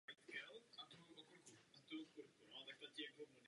Můžete potvrdit, že tomu tak opravdu bude?